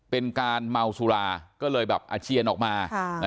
เป็นการเมาสุราก็เลยแบบอาเจียนออกมา